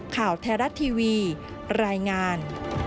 ข่าวแทรศ์ทีวีรายงาน